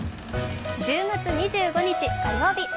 １０月２５日火曜日